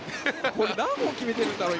何本決めてるんだろう？